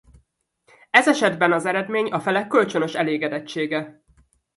Ez esetben az eredmény a felek kölcsönös elégedettsége.